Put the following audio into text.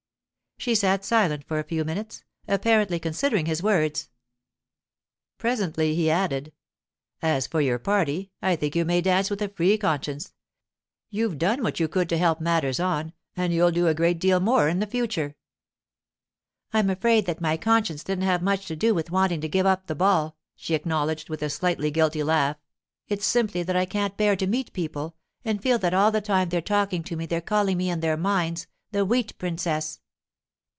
She sat silent for a few minutes, apparently considering his words. Presently he added— 'As for your party, I think you may dance with a free conscience. You've done what you could to help matters on, and you'll do a great deal more in the future.' 'I'm afraid that my conscience didn't have much to do with wanting to give up the ball,' she acknowledged, with a slightly guilty laugh. 'It's simply that I can't bear to meet people, and feel that all the time they're talking to me they're calling me in their minds "the Wheat Princess."